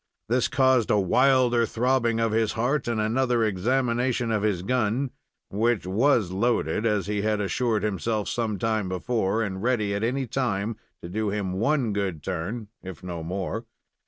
This caused a wilder throbbing of his heart, and another examination of his gun, which was loaded, as he had assured himself some time before, and ready at any time to do him one good turn, if no more.